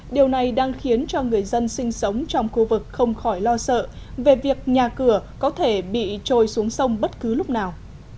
điều này đang khiến cho người dân sinh sống trong khu vực không khỏi lo sợ về việc nhà cửa có thể bị trôi xuống sông bất cứ lúc nào